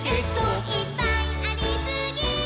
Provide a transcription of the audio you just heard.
「いっぱいありすぎー！！」